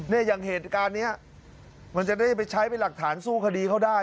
อย่างเหตุการณ์นี้มันจะได้ไปใช้เป็นหลักฐานสู้คดีเขาได้